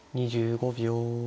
２５秒。